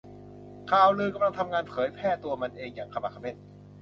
ข่าวลือกำลังทำงานเผยแพร่ตัวมันเองอย่างขมักเขม้น